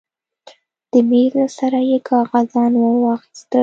د مېز له سره يې کاغذان ورواخيستل.